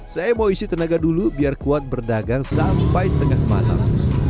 saya mau isi tenaga dulu biar kuat berdagang sampai tengah malam